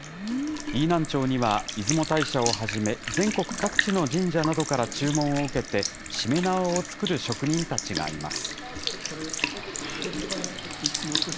飯南町には、出雲大社をはじめ、全国各地の神社などから注文を受けて、しめ縄を作る職人たちがいます。